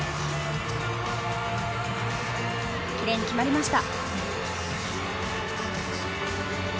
きれいに決まりました。